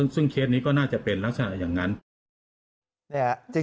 ซึ่งเคสนี้ก็น่าจะเป็นลักษณะอย่างนั้น